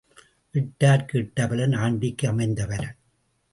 இட்டார்க்கு இட்ட பலன் ஆண்டிக்கு அமைந்த பலன்.